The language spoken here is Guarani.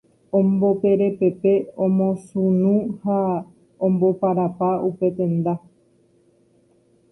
Omboperepepe, omosunu ha omboparapa upe tenda.